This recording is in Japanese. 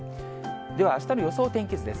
では、あしたの予想天気図です。